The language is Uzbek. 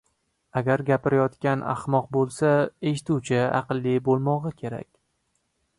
• Agar gapirayotgan ahmoq bo‘lsa, eshituvchi aqlli bo‘lmog‘i kerak.